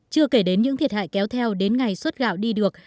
chưa kể đến những thiệt hại kéo theo đến ngày xuất gạo đi được